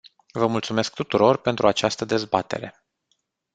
Vă mulțumesc tuturor pentru această dezbatere.